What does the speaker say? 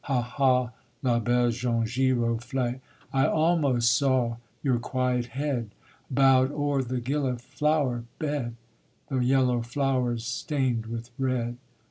Hah! hah! la belle jaune giroflée. I almost saw your quiet head Bow'd o'er the gilliflower bed, The yellow flowers stain'd with red.